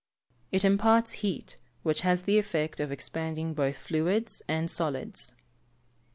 _ It imparts heat, which has the effect of expanding both fluids and solids.